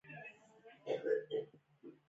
د شوروي چټکې اقتصادي ودې ته حیران وو